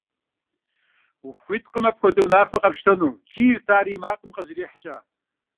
- Ухуиткъым апхуэдэ унафэ къэпщтэну! – кӀийрт ар и макъым къызэрикӀкӀэ.